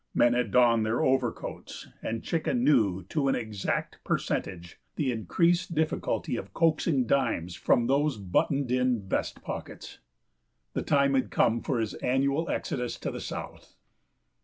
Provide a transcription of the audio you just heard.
Men had donned their overcoats, and Chicken knew to an exact percentage the increased difficulty of coaxing dimes from those buttoned in vest pockets. The time had come for his annual exodus to the south.